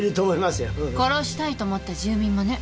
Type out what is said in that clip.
殺したいと思った住民もね。